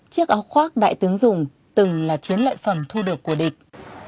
chiếc áo khoác đại tướng dùng từng là chuyến lợi phẩm thu được của địch